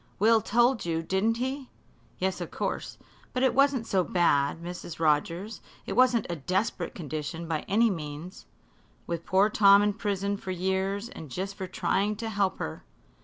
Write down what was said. Will told you, didn't he?" "Yes, of course. But it wasn't so bad, Mrs. Rogers; it wasn't a desperate condition, by any means." "With poor Tom in prison for years and just for trying to help her."